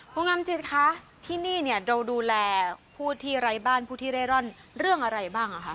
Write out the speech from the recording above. คุณงามจิตคะที่นี่เนี่ยเราดูแลผู้ที่ไร้บ้านผู้ที่เร่ร่อนเรื่องอะไรบ้างอ่ะคะ